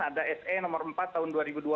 ada se nomor empat tahun dua ribu dua puluh